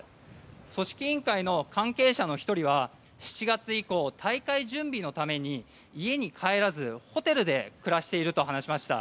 組織委員会の関係者の１人は７月以降大会準備のために家に帰らず、ホテルで暮らしていると話しました。